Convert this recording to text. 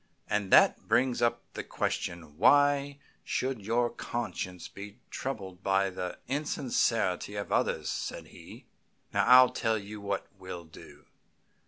"And that brings up the question, why should your conscience be troubled by the insincerity of others?" said he. "Now, I'll tell you what we'll do.